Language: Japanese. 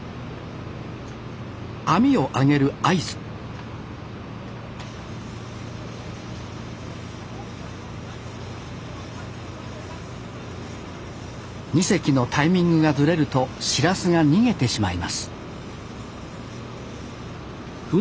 網を上げる合図２隻のタイミングがずれるとシラスが逃げてしまいます